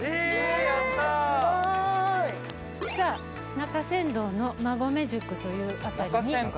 中山道の馬籠宿という辺りに。